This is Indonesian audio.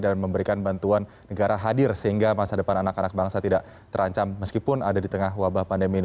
dan memberikan bantuan negara hadir sehingga masa depan anak anak bangsa tidak terancam meskipun ada di tengah wabah pandemi ini